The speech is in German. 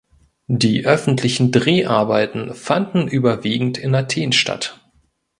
Die öffentlichen Dreharbeiten fanden überwiegend in Athen statt.